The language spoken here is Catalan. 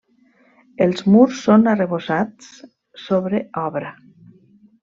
Els murs són arrebossats sobre obra.